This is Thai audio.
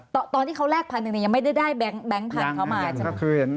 ตอนที่เขาแรก๑๐๐๐ยังไม่ได้ได้แบงก์ผ่านเขามา